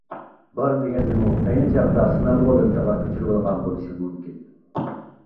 بار دېگەندىمۇ ئەينى چاغدا سىنئالغۇ لېنتىغا كۆچۈرۈۋالغان بولۇشى مۇمكىن.